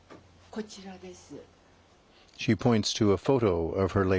こちらです。